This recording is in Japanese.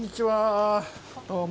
どうも。